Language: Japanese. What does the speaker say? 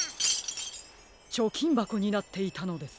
ちょきんばこになっていたのです。